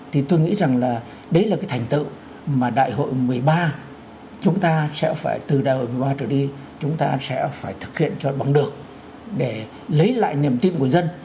thì tôi nghĩ rằng là đấy là cái thành tựu mà đại hội một mươi ba chúng ta sẽ phải từ đại hội một mươi ba trở đi chúng ta sẽ phải thực hiện cho bằng được để lấy lại niềm tin của dân